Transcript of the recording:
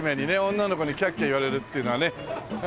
女の子にキャッキャ言われるっていうのはね。